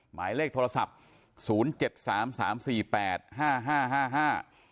หมายเลขโทรศัพท์ศูนย์เจ็ดสามสามสี่แปดห้าห้าห้า